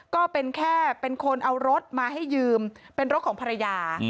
ก็เป็นแค่เป็นคนเอารถมาให้ยืมเป็นรถของภรรยา